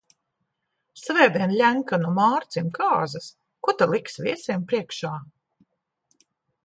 Svētdien Ļenkanu Mārcim kāzas, ko ta liks viesiem priekšā?